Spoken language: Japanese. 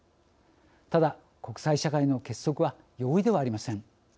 ただ国際社会の結束は容易ではありません。